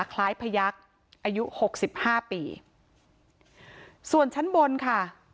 คล้ายพยักษ์อายุหกสิบห้าปีส่วนชั้นบนค่ะ